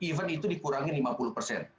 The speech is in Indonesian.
even itu dikurangi lima puluh persen